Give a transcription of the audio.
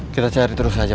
kita cari terus aja pak